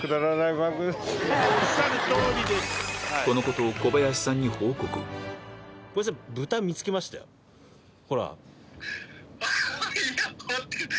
このことをほら。